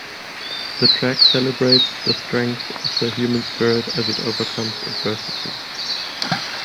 The track "celebrates the strength of the human spirit as it overcomes adversity".